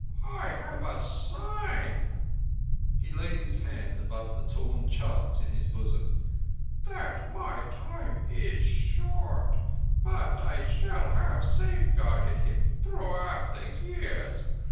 I have a sign"—he laid his hand above the torn chart in his bosom—"that my time is short; but I shall have safeguarded him throughout the years.